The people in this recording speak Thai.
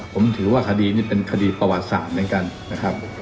ผมถือว่าคดีนี้เป็นคดีประวัติศาสตร์เหมือนกันนะครับ